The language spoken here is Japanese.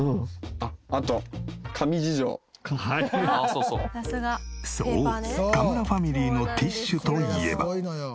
そう田村ファミリーのティッシュといえば。